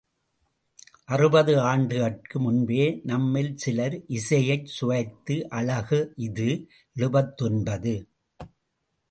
அறுபது ஆண்டுகட்கு முன்பே— நம்மில் சிலர் இசையைச் சுவைத்த அழகு இது— எழுபத்தொன்பது.